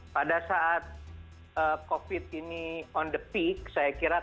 pada saat covid ini on the peak